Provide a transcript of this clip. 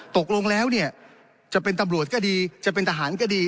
ตกลงแล้วเนี่ยจะเป็นตำรวจก็ดีจะเป็นทหารก็ดี